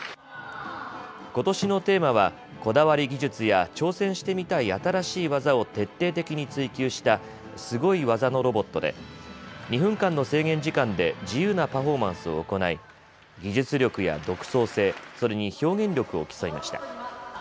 ことしのテーマはこだわり技術や挑戦してみたい新しい技を徹底的に追求したすごい！技のロボットで２分間の制限時間で自由なパフォーマンスを行い技術力や独創性、それに表現力を競いました。